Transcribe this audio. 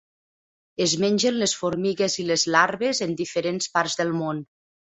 Es mengen les formigues i les larves en diferents parts del món.